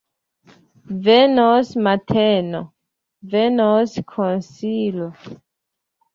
Venos mateno, venos konsilo!